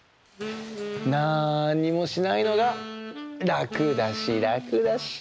なんにもしないのがらくだしらくだし。